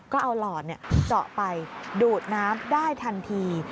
ก็เอาหลอดเจาะไปดูดน้ำได้ทันที